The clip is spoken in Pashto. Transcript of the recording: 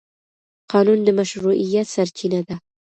قانون د مشروعیت سرچینه ده.